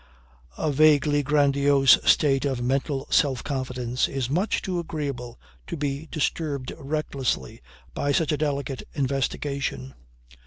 A vaguely grandiose state of mental self confidence is much too agreeable to be disturbed recklessly by such a delicate investigation.